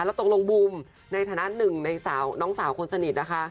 แล้วตกลงบูมในฐานะหนึ่งในน้องสาวคนสนิทนะคะ